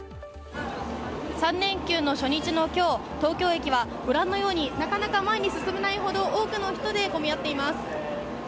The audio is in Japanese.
３連休の初日の今日、東京駅はご覧のように前に進めないほど多くの人で混み合っています。